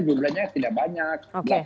jumlahnya tidak banyak